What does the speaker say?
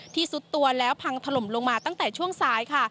ซุดตัวแล้วพังถล่มลงมาตั้งแต่ช่วงซ้ายค่ะ